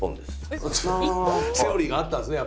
セオリーがあったんですね